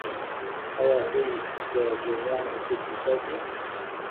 آیا دوی د بومیانو حقوق نه ساتي؟